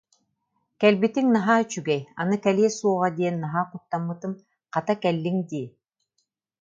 Кэлбитиҥ наһаа үчүгэй, аны кэлиэ суоҕа диэн наһаа куттаммытым, хата, кэллиҥ дии